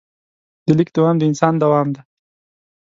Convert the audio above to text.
د لیک دوام د انسان دوام دی.